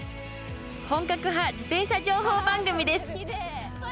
本格派自転車情報番組です。